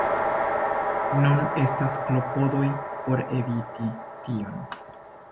Nun estas klopodoj por eviti tion.